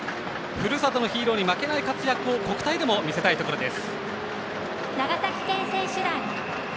ふるさとのヒーローに負けないところを国体でも見せたいところです。